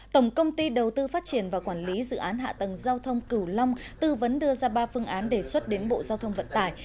tổng công ty đầu tư phát triển và quản lý dự án hạ tầng giao thông cửu long tư vấn đưa ra ba phương án đề xuất đến bộ giao thông vận tải